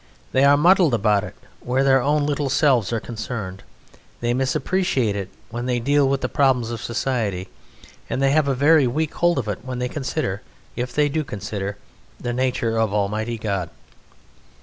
They are muddled about it where their own little selves are concerned, they misappreciate it when they deal with the problems of society, and they have a very weak hold of it when they consider (if they do consider) the nature of Almighty God.